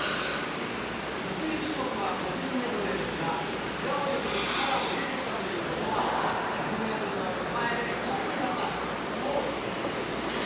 得意種目は個人メドレーですが、平泳ぎに力を入れてきたという瀬戸は、１００メートルの手前でトップに立ちます。